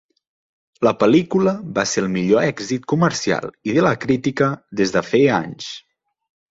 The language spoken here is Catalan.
La pel·lícula va ser el millor èxit comercial i de la crítica des de feia anys.